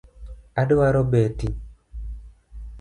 Adwaro beti